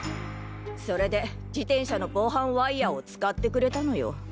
それで自転車の防犯ワイヤーを使ってくれたのよ。